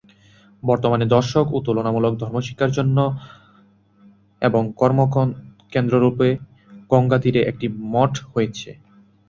বর্তমানে দর্শন ও তুলনামূলক ধর্মশিক্ষার জন্য এবং কর্মকেন্দ্ররূপে গঙ্গাতীরে একটি মঠ হয়েছে।